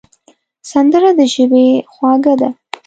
سندره د ژبې خواږه ده